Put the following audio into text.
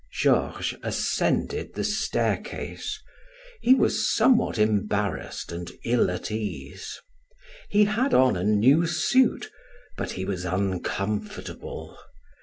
Georges ascended the staircase. He was somewhat embarrassed and ill at ease. He had on a new suit but he was uncomfortable.